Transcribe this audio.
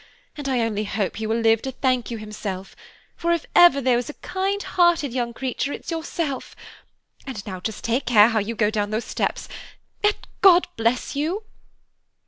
and I only hope he will live to thank you himself; for if ever there was a kind hearted young creature it's yourself! and now just take care how you go down those steps, and God bless you!"